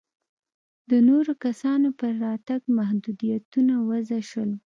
د نورو کسانو پر راتګ محدودیتونه وضع شول.